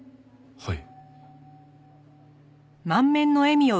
はい。